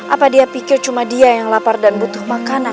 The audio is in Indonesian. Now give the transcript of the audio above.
apa dia pikir cuma dia yang lapar dan butuh makanan